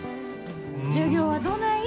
授業はどない？